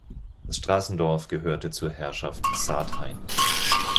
Das Straßendorf gehörte zur Herrschaft Saathain.